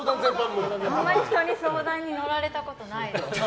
あんまり人に相談に乗られたことない。